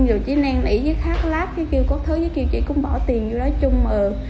rồi chiếc nang nỉ với khát lát với kiểu có thứ với kiểu chị cũng bỏ tiền vô đó chung mờ